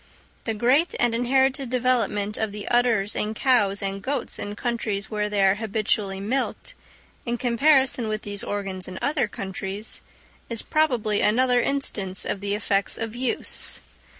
The great and inherited development of the udders in cows and goats in countries where they are habitually milked, in comparison with these organs in other countries, is probably another instance of the effects of use.